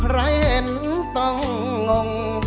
ใครเห็นต้องงง